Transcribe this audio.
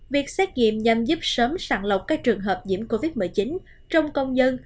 việc xét nghiệm nhằm giúp sớm sẵn lộc các trường hợp diễm covid một mươi chín trong công nhân